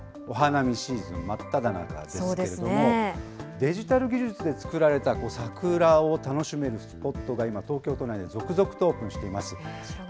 お花見シーズン真っただ中ですけれども、デジタル技術で作られた桜を楽しめるスポットが今、東京都内に続々とオープンしています。